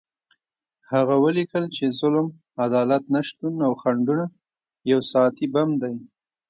هغه ولیکل چې ظلم، عدالت نشتون او خنډونه یو ساعتي بم دی.